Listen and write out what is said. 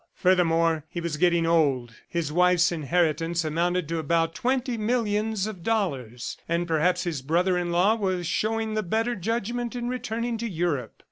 Furthermore, he was getting old, his wife's inheritance amounted to about twenty millions of dollars, and perhaps his brother in law was showing the better judgment in returning to Europe.